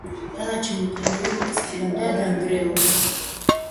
დანარჩენი კედლები მიწის პირამდეა დანგრეული.